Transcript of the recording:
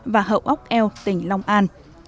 và hậu ốc eo tỉnh long an